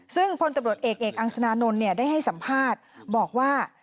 ซึ่งพตเอกอังสนานนท์ได้ให้สัมภาษณ์บอกว่า